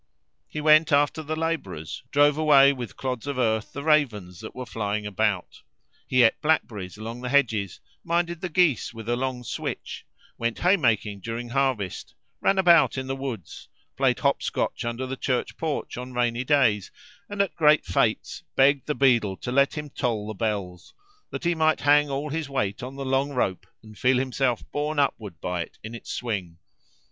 He went after the labourers, drove away with clods of earth the ravens that were flying about. He ate blackberries along the hedges, minded the geese with a long switch, went haymaking during harvest, ran about in the woods, played hop scotch under the church porch on rainy days, and at great fetes begged the beadle to let him toll the bells, that he might hang all his weight on the long rope and feel himself borne upward by it in its swing.